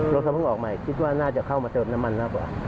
รถเขาเพิ่งออกใหม่คิดว่าน่าจะเข้ามาเติมน้ำมันมากกว่า